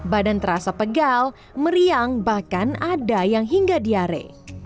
badan terasa pegal meriang bahkan ada yang hingga diare